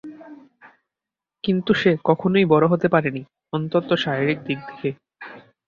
কিন্তু সে কখনোই বড়ো হতে পারেনি, অন্তত শারিরিক দিক থেকে।